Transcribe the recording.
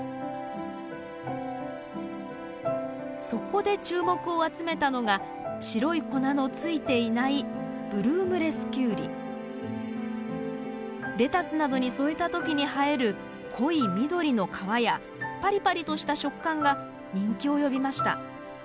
そこで注目を集めたのが白い粉の付いていないレタスなどに添えた時に映える濃い緑の皮やパリパリとした食感が人気を呼びました。